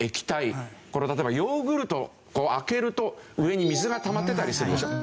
例えばヨーグルトを開けると上に水がたまってたりするでしょ。